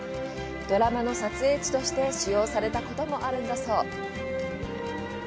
ドラマの撮影地として使用されたこともあるんだそう。